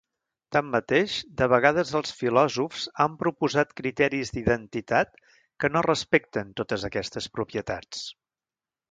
Tanmateix, de vegades els filòsofs han proposat criteris d'identitat que no respecten totes aquestes propietats.